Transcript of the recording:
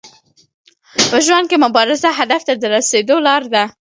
په ژوند کي مبارزه هدف ته د رسیدو لار ده.